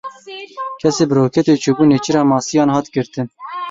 Kesê bi roketê çûbû nêçîra masiyan hat girtin.